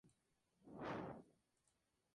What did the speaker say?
En sus alrededores existe una colonia de ardeidae.